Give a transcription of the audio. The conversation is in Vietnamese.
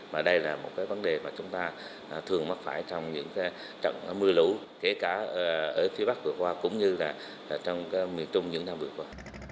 và đây là một cái vấn đề mà chúng ta thường mắc phải trong những trận mưa lũ kể cả ở phía bắc vừa qua cũng như là trong miền trung những năm vừa qua